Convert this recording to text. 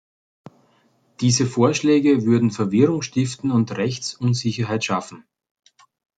Diese Vorschläge würden Verwirrung stiften und Rechtsunsicherheit schaffen.